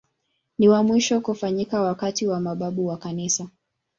Ni wa mwisho kufanyika wakati wa mababu wa Kanisa.